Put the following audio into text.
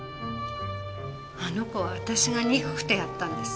あの子は私が憎くてやったんです。